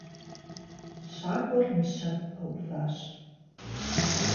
Щакӏуэр мыщэм пэуващ.